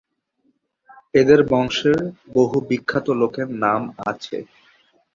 এঁদের বংশে বহু বিখ্যাত লোকের নাম আছে।